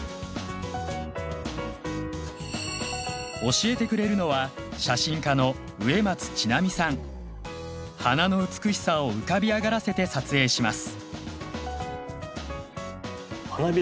教えてくれるのは花の美しさを浮かび上がらせて撮影します。